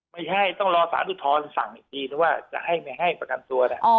ไม่ใช่ต้องรอสารอุทธรณ์สั่งอีกทีหรือว่าจะให้ไม่ให้ประกันตัวนะ